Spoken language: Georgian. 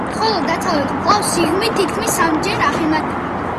ხოლო დასავლეთ მკლავს სიღრმით თითქმის სამჯერ აღემატება.